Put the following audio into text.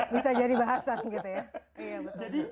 bisa jadi bahasan gitu ya